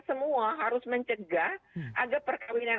semua harus mencegah agar perkawinan